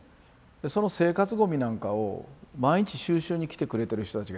その生活ゴミなんかを毎日収集に来てくれてる人たちがいたわけでしょ。